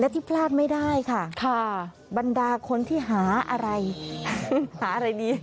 ที่พลาดไม่ได้ค่ะบรรดาคนที่หาอะไรหาอะไรดี